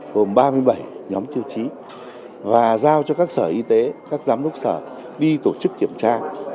gồm ba mươi bảy nhóm tiêu chí và giao cho các sở y tế các giám đốc sở đi tổ chức kiểm tra